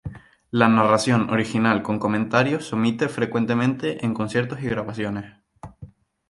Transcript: La narración original con comentarios se omite frecuentemente en conciertos y grabaciones.